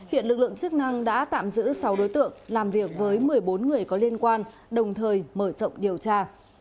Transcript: hiện lực lượng chức năng đã tạm giữ sáu đối tượng làm việc với một mươi bốn người có liên quan đồng thời mở rộng điều tra